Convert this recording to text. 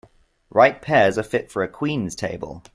Ripe pears are fit for a queen's table.